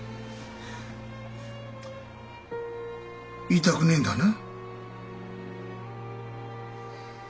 言いたくねえんだな。